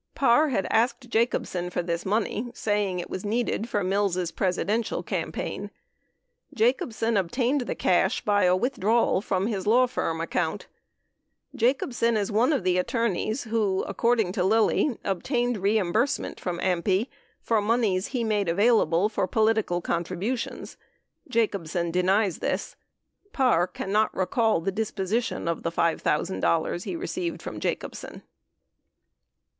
Parr had asked Jacobsen for this money, saying it was needed for Mills' Presidential campaign. J acob sen obtained the cash by a withdrawal from his law firm account. Jacobsen is one of the attorneys who, according to Lilly, obtained reim bursement from AMPI for moneys he made available for political 17 Mehren, 16 Hearings 7323. 18 Mehren, 16 Hearings 7325. 909 contributions. Jacobsen denies this. Parr cannot recall the disposition of the $5,000 received from Jacobsen.